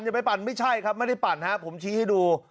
อย่าไปผันไม่ใช่ครับไม่ได้ปัดนะครับผมชี้ดู